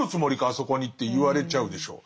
あそこにって言われちゃうでしょ。